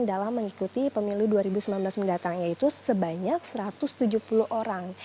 dalam mengikuti pemilu dua ribu sembilan belas mendatang yaitu sebanyak satu ratus tujuh puluh orang